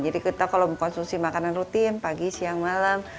kita kalau mengkonsumsi makanan rutin pagi siang malam